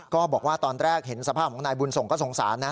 ก็บอกว่าตอนแรกเห็นสภาพของนายบุญส่งก็สงสารนะ